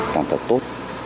làm thật tốt